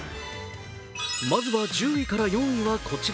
まずは１０位から４位はこちら。